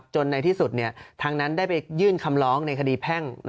ในที่สุดทางนั้นได้ไปยื่นคำร้องในคดีแพ่ง